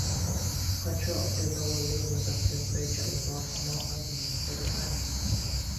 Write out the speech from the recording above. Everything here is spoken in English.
Control of the lower limits of temperature involves more movement for the animals.